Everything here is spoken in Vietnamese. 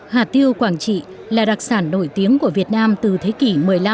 hạt tiêu quảng trị là đặc sản nổi tiếng của việt nam từ thế kỷ một mươi năm